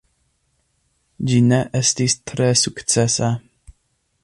Ĝi ne estis tre sukcesa.